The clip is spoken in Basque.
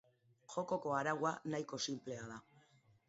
Jokoko araua nahiko sinplea da.